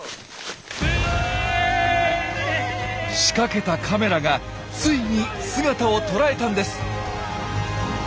仕掛けたカメラがついに姿をとらえたんです！